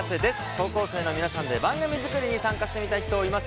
高校生の皆さんで番組作りに参加してみたい人いませんか？